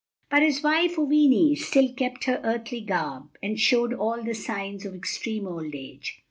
But his wife, Oweenee, still kept her earthly garb and showed all the signs of extreme old age.